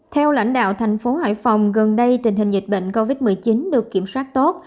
theo lãnh đạo tp hcm gần đây tình hình dịch bệnh covid một mươi chín được kiểm soát tốt